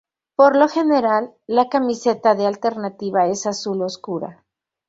Por lo general, la camiseta de alternativa es azul oscura.